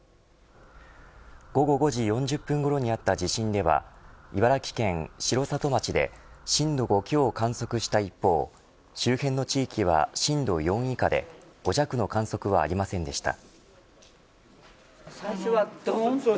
午後５時４０分ごろにあった地震では茨城県城里町で震度５強を観測した一方周辺の地域は震度４以下で５弱の観測はありませんでした。